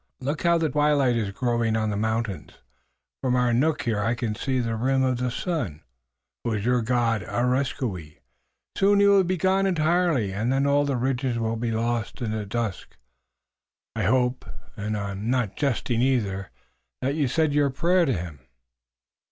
Look how the twilight is growing on the mountains. From our nook here I can just see the rim of the sun, who is your God, Areskoui. Soon he will be gone entirely and then all the ridges will be lost in the dusk. I hope and I'm not jesting either that you've said your prayer to him."